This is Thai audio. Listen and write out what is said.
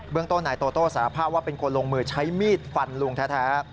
เบื้องโตนายโตโตสาธารณ์ภาพว่าเป็นคนลงมือใช้มีดฟันลุงแท้